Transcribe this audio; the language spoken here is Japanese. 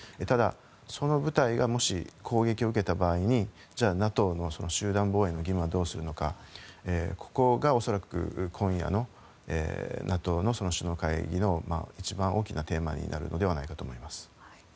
ただ、その部隊がもし攻撃を受けた場合にじゃあＮＡＴＯの集団防衛の義務はどうするのかここが恐らく今夜のＮＡＴＯの首脳会議の一番大きなテーマになるのではないかと思います。